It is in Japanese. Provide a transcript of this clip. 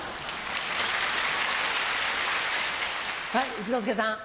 一之輔さん。